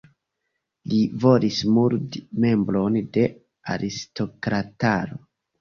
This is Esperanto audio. Li volis murdi membron de aristokrataro.